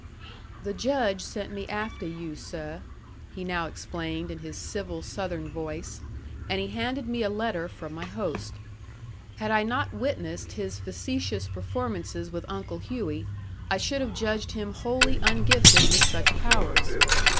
"The Judge sent me afteh you, seh," he now explained, in his civil Southern voice; and he handed me a letter from my host. Had I not witnessed his facetious performances with Uncle Hughey, I should have judged him wholly ungifted with such powers.